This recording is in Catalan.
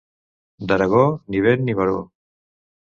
D'Aragó, ni vent ni baró.